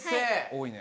多いね。